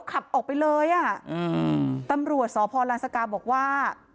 ขับออกไปเลยอ่ะอืมตำรวจสพลานสกาบอกว่า